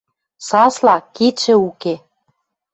Сасла, кидшӹ уке.